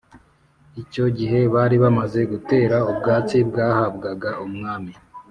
i Icyo gihe bari bamaze gutema ubwatsi bwahabwaga umwami